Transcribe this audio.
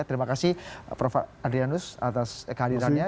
terima kasih prof adrianus atas kehadirannya